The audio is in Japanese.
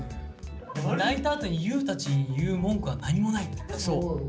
泣いたあとに「ＹＯＵたちに言う文句は何もない」って言ったの。